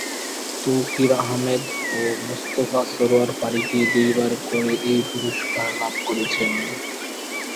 তৌকির আহমেদ ও মোস্তফা সরয়ার ফারুকী দুইবার করে এই পুরস্কার লাভ করেছেন।